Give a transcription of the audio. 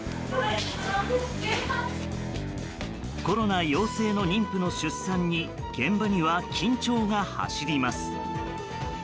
コロナ陽性の妊婦の出産に現場には緊張が走ります。